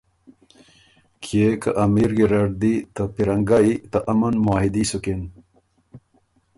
کيې که امیر ګیرډ دی ته پیرنګئ ته امن معاهدي سُکِن